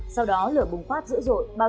sau đó lửa bùng phát dữ dội